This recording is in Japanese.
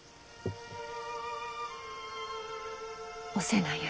お瀬名や。